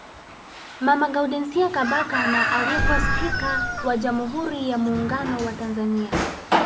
Mama Gaudensia Kabaka na aliyekuwa spika wa jamhuri ya Muungano wa Tanzania